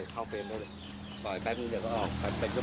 เข้าเป็นได้เลย